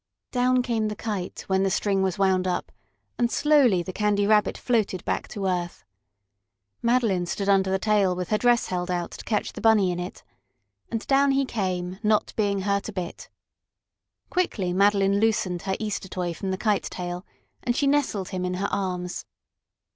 Down came the kite when the string was wound up, and slowly the Candy Rabbit floated back to earth. Madeline stood under the tail with her dress held out to catch the Bunny in it. And down he came, not being hurt a bit. Quickly Madeline loosened her Easter toy from the kite tail, and she nestled him in her arms.